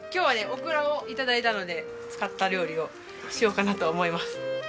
オクラを頂いたので使った料理をしようかなと思います。